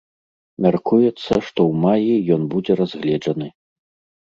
Мяркуецца, што ў маі ён будзе разгледжаны.